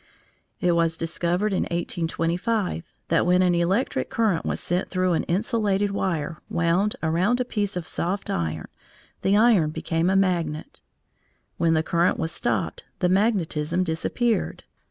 It was discovered in 1825 that when an electric current was sent through an insulated wire wound around a piece of soft iron, the iron became a magnet; when the current was stopped the magnetism disappeared.